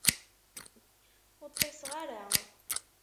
Ur ṭṭiṣeɣ ara.